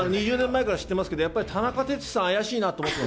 ２０年前から知ってますけど、田中哲司さん、怪しい。